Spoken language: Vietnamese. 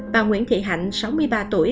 bà nguyễn thị hạnh sáu mươi ba tuổi